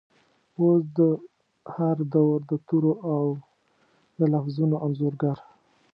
اوس د هردور دتورو ،اودلفظونو انځورګر،